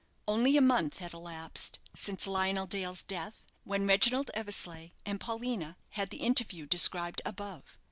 Only a month had elapsed since Lionel Dale's death, when Reginald Eversleigh and Paulina had the interview described above.